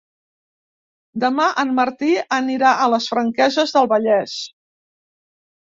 Demà en Martí anirà a les Franqueses del Vallès.